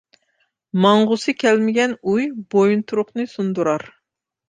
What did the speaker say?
ماڭغۇسى كەلمىگەن ئۇي، بويۇنتۇرۇقنى سۇندۇرار.